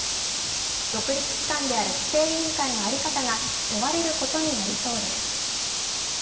独立機関である規制委員会の在り方が問われることになりそうです。